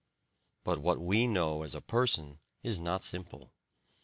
But what we know as a person is not simple.